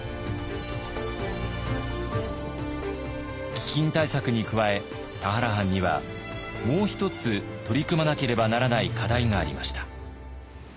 飢饉対策に加え田原藩にはもう一つ取り組まなければならない課題がありました。